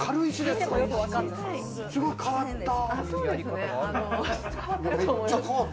すごい変わった。